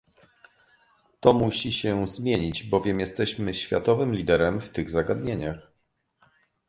To musi się zmienić, bowiem jesteśmy światowym liderem w tych zagadnieniach